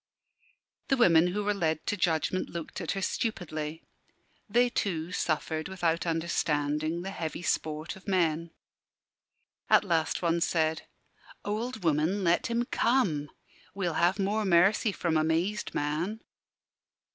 The women who were led to judgment looked at her stupidly. They too suffered, without understanding, the heavy sport of men. At last one said "Old woman, let him come. We'll have more mercy from a mazed man."